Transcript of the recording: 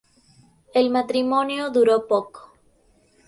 El matrimonio duró poco.